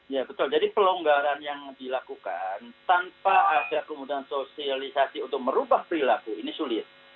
ya betul jadi pelonggaran yang dilakukan tanpa ada kemudian sosialisasi untuk merubah perilaku ini sulit